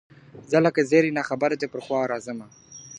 زه لکه زېری نا خبره دي پر خوا راځمه .